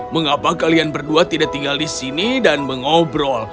mengapa kalian berdua tidak tinggal di sini dan mengobrol